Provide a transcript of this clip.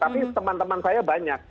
tapi teman teman saya banyak